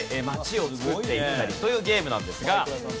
街をつくっていったりというゲームなんですが。